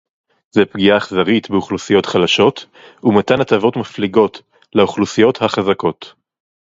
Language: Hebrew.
זה פגיעה אכזרית באוכלוסיות חלשות ומתן הטבות מפליגות לאוכלוסיות החזקות